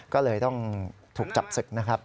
ก็เลยต้องถูกจับศึกนะครับ